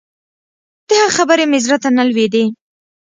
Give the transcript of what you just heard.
د هغه خبرې مې زړه ته نه لوېدې.